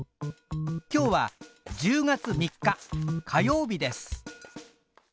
今日は１０月３日火曜日です。